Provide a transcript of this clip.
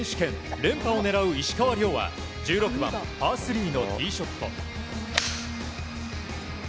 連覇を狙う石川遼は１６番、パー３のティーショット。